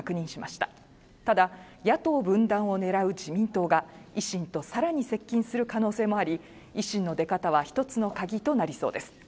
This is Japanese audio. ただ野党分断を狙う自民党が維新とさらに接近する可能性もあり維新の出方は一つの鍵となりそうです